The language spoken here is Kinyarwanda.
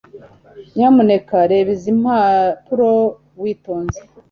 nyamuneka reba izi mpapuro witonze